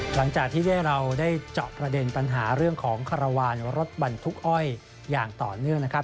หลังจากที่เราได้เจาะประเด็นปัญหาเรื่องของคารวาลรถบรรทุกอ้อยอย่างต่อเนื่องนะครับ